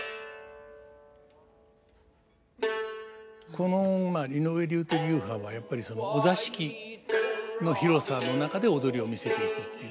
この井上流という流派はやっぱりお座敷の広さの中で踊りを見せていくっていう。